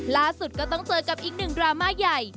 ล่าสุดก็ต้องเจอกับอีกหนึ่งดราม่าใหญ่